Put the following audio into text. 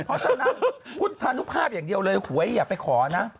เพราะฉะนั้นคุณธานุภาพอย่างเดียวเลยหวยอย่าไปขอนะ